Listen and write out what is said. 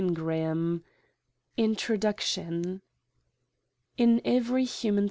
238 B INTRODUCTION. IN every humau.